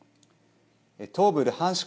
東部ルハンシク